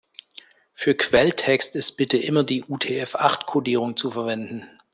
Für Quelltext ist bitte immer die UTF-acht-Kodierung zu verwenden.